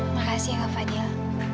makasih kak fadil